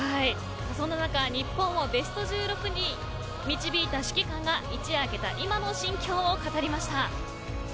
そんな中、日本をベスト１６に導いた指揮官が一夜明けた今の心境を語りました。